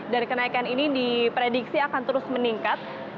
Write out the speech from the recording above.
dan kenaikan ini diprediksi akan terus meningkat